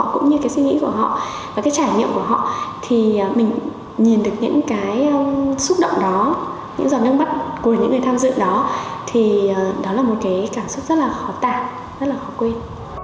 cũng như cái suy nghĩ của họ và cái trải nghiệm của họ thì mình nhìn được những cái xúc động đó những giọt nước mắt của những người tham dự đó thì đó là một cái cảm xúc rất là khó tạm rất là khó quên